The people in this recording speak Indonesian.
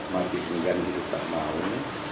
mengikuti dan hidup tak mau